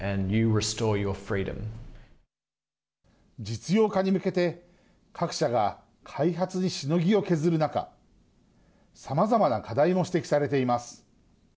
実用化に向けて各社が開発にしのぎを削る中さまざまな課題も指摘されています。